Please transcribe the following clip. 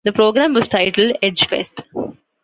The program was titled Edgefest.